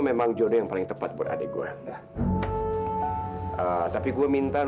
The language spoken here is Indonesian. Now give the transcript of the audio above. atau jangan jangan ini malah bibir lagi